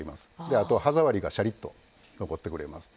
あと歯触りがシャリッと残ってくれますね。